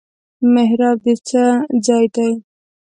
محراب د څه ځای دی؟